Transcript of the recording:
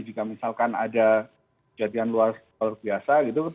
jika misalkan ada kejadian luar biasa gitu